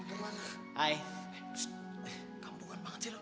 pst kampungan banget sih lo